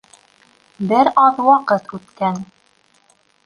Бер аҙ ваҡыт үткән.